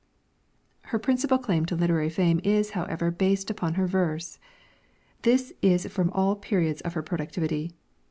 Her principal claim to literary fame is however based upon her verse. This is from all periods of her productivity.